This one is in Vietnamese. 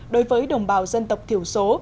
đối với đồng bào dân tộc thiểu số